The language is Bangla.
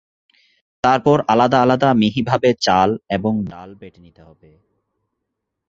তার পর আলাদা আলাদা মিহি ভাবে চাল এবং ডাল বেটে নিতে হবে।